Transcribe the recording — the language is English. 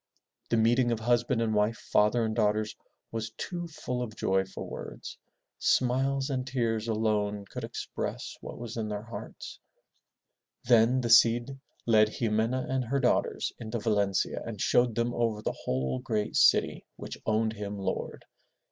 The meeting of husband and wife, father and daughters was too full of joy for words. Smiles and tears alone could express what 318 FROM THE TOWER WINDOW was in their hearts. Then the Cid led Ximena and her daughters into Valencia and showed them over the whole great city which owned him lord.